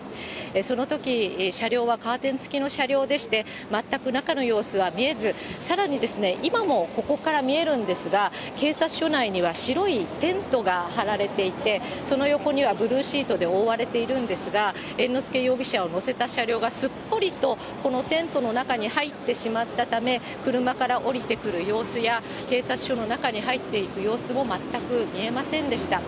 そのとき、車両はカーテンつきの車両でして、全く中の様子は見えず、さらに今もここから見えるんですが、警察署内には白いテントが張られていて、その横にはブルーシートで覆われているんですが、猿之助容疑者を乗せた車両がすっぽりと、このテントの中に入ってしまったため、車から降りてくる様子や、警察署の中に入っていく様子も、全く見えませんでした。